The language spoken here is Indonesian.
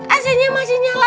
ac nya masih nyala